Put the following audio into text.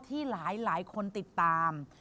ที่หลายคนติดตาม